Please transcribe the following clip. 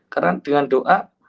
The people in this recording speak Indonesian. karena dengan doa